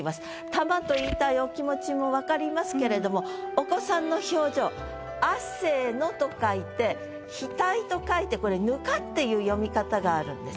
「玉」と言いたいお気持ちもわかりますけれどもお子さんの表情「汗の」と書いてっていう読み方があるんです。